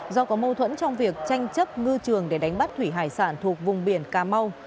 do có mâu thuẫn trong việc tranh chấp ngư trường để đánh bắt thủy hải sản thuộc vùng biển cà mau